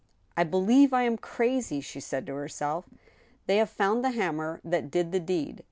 ;* r believe I am crazy !'* she said to herself.' "They have found the hammer that did the deed.